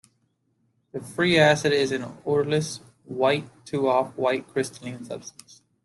The free acid is an odorless, white to off-white crystalline substance.